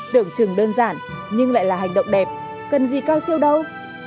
tưởng chừng đơn giản nhưng lại là hành động đẹp cần gì cao siêu đâu